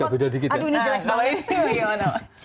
aduh ini jelek banget